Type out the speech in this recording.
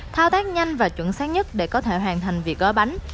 thao tác nhanh và chuẩn xác nhất để có thể hoàn thành việc gói bánh